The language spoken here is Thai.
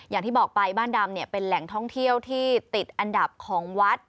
อย่างที่บอกไปบ้านดำเนี่ยเป็นแหล่งท่องเที่ยวที่ติดอันดับของวัด